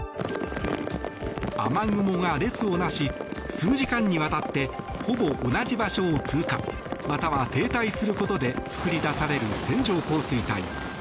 雨雲が列を成し数時間にわたってほぼ同じ場所を通過または停滞することで作り出される線状降水帯。